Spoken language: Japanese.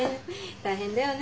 大変だよね